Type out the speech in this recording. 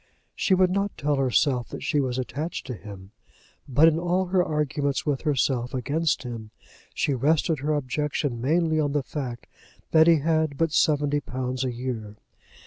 She would not tell herself that she was attached to him; but in all her arguments with herself against him, she rested her objection mainly on the fact that he had but seventy pounds a year.